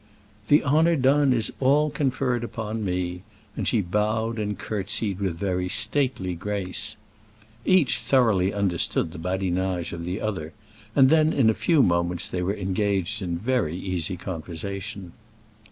"The honour done is all conferred on me," and she bowed and curtseyed with very stately grace. Each thoroughly understood the badinage of the other; and then, in a few moments, they were engaged in very easy conversation.